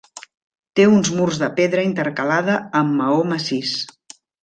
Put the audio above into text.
Té uns murs de pedra intercalada amb maó massís.